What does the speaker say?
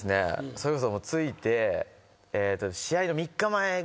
それこそ着いて。